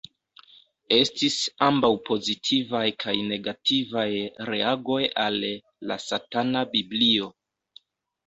Estis ambaŭ pozitivaj kaj negativaj reagoj al "La Satana Biblio.